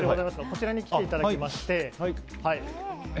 こちらに来ていただきまして。